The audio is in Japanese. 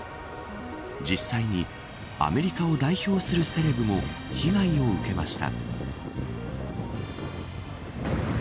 実際にアメリカを代表するセレブも被害を受けました。